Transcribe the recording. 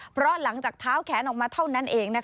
เพราะหลังจากเท้าแขนออกมาเท่านั้นเอง